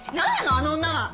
あの女は？